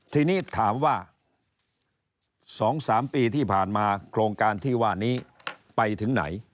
ทีนี้ถามว่า๒๓ปีที่ผ่านมาโครงการที่ว่านี้ไปถึงไหน